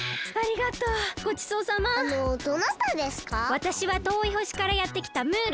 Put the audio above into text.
わたしはとおいほしからやってきたムール！